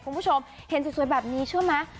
คุณผู้ชมเห็นสวยแบบนี้เชื่อไหม